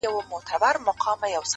ماخو ستا غمونه ځوروي گلي ،